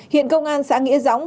hiện công an xã nghĩa dõng